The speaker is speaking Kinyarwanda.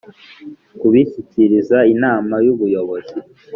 kubishyikiriza Inama y Ubuyobozi